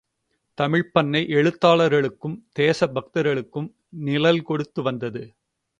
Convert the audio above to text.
தமிழ்ப்பண்ணை எழுத்தாளர்களுக்கும், தேச பக்தர்களுக்கும் நிழல் கொடுத்து வந்தது.